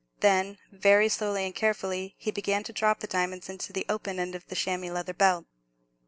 Then, very slowly and carefully, he began to drop the diamonds into the open end of the chamois leather belt.